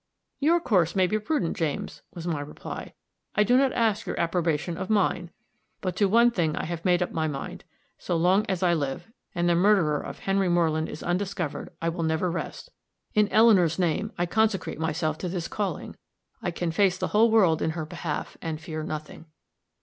"Your course may be prudent, James," was my reply; "I do not ask your approbation of mine. But to one thing I have made up my mind. So long as I live, and the murderer of Henry Moreland is undiscovered, I will never rest. In Eleanor's name, I consecrate myself to this calling. I can face the whole world in her behalf, and fear nothing."